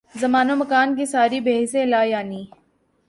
زمان و مکان کی ساری بحثیں لا یعنی۔